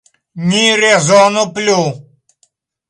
Ni rezonu plu.